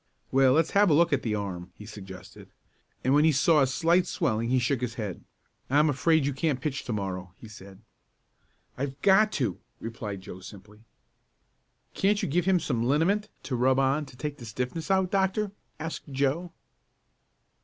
"Well, let's have a look at the arm," he suggested, and when he saw a slight swelling he shook his head. "I'm afraid you can't pitch to morrow," he said. "I've got to," replied Joe simply. "Can't you give him some liniment to rub on to take the stiffness out, doctor?" asked Joe.